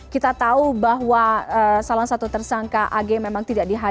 kita tahu bahwa salah satu tersangka ag memang tidak dihadir